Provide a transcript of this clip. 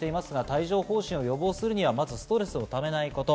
帯状疱疹を予防するにはまずストレスをためないこと。